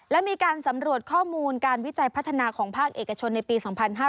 และมีการสำรวจข้อมูลการวิจัยพัฒนาของภาคเอกชนในปี๒๕๕๙